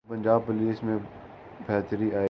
تو پنجاب پولیس میں بہتری آئے گی۔